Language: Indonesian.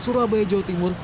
surabaya jawa timur